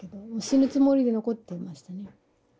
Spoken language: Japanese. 死ぬつもりで残っていましたね。